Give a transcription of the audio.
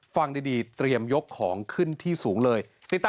ฟังดีเตรียมยกของขึ้นที่สูงเลย